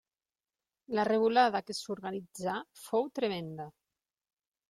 La revolada que s'organitzà fou tremenda.